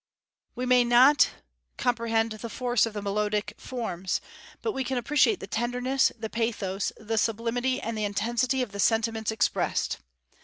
We may not comprehend the force of the melodic forms, but we can appreciate the tenderness, the pathos, the sublimity, and the intensity of the sentiments expressed.